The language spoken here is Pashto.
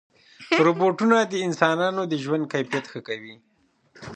روبوټونه د انسانانو د ژوند کیفیت ښه کوي.